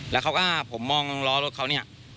แล้วเขาก็ผมมองล้อรถเขาเนี่ย